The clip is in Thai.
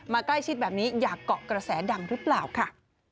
ใกล้ชิดแบบนี้อยากเกาะกระแสดังหรือเปล่าค่ะ